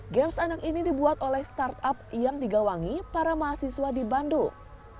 games anak ini dibuat oleh startup yang digawangi para mahasiswa di bandung